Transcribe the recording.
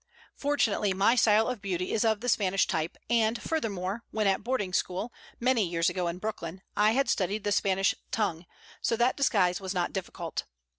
Fortunately my style of beauty is of the Spanish type, and, furthermore, when at boarding school, many years ago, in Brooklyn, I had studied the Spanish tongue, so that disguise was not difficult.